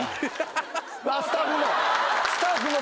スタッフも。